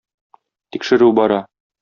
Тикшерү бара.